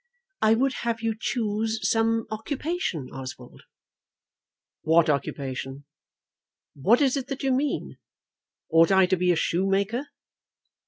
"I would have you choose some occupation, Oswald." "What occupation? What is it that you mean? Ought I to be a shoemaker?"